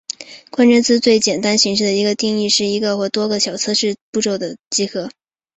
关键字最简单形式的定义是一个或多个最小测试步骤的集合。